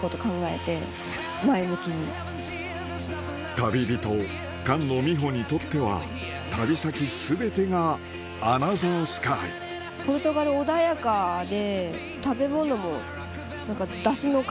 旅人菅野美穂にとっては旅先全てがアナザースカイポルトガル穏やかで。